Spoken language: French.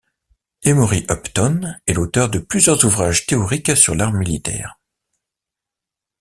Emory Upton est l'auteur de plusieurs ouvrages théoriques sur l'art militaire.